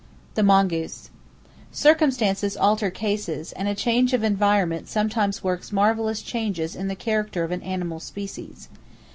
The Mongoose. —Circumstances alter cases, and a change of environment sometimes works marvelous changes in the character of an animal species.